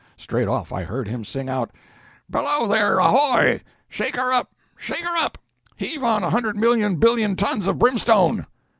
Straight off I heard him sing out—"Below there, ahoy! Shake her up, shake her up! Heave on a hundred million billion tons of brimstone!"